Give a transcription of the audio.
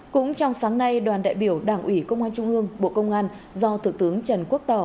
cũng trong sáng nay đoàn đại biểu đảng ủy công an trung ương bộ công an do thượng tướng trần quốc tỏ